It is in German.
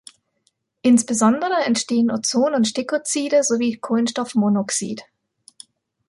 Insbesondere entstehen Ozon und Stickoxide sowie Kohlenstoffmonoxid.